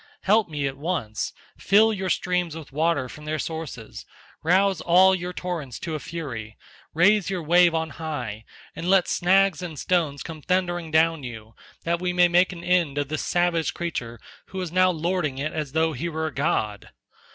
Help me at once; fill your streams with water from their sources, rouse all your torrents to a fury; raise your wave on high, and let snags and stones come thundering down you that we may make an end of this savage creature who is now lording it as though he were a god.